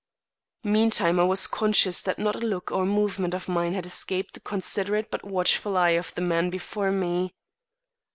Meantime I was conscious that not a look or movement of mine had escaped the considerate but watchful eye of the man before me.